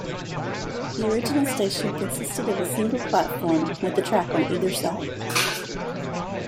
The original station consisted of a single platform with a track on either side.